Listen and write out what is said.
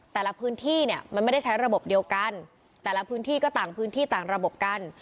แต่ละพื้นที่เนี่ยมันไม่ได้ใช้ระบบเดียวกันแต่ละพื้นที่ก็ต่างพื้นที่ต่างระบบกัน